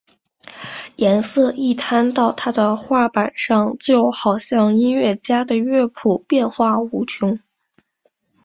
颜色一摊到他的画板上就好像音乐家的乐谱变化无穷！